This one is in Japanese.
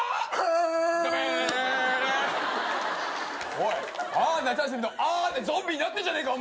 おい『あー夏休み』の「あー」でゾンビになってるじゃねえか。